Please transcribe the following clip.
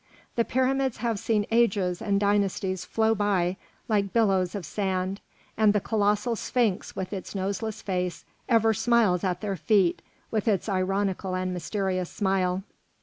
The pyramids have seen ages and dynasties flow by like billows of sand, and the colossal Sphinx with its noseless face ever smiles at their feet with its ironical and mysterious smile.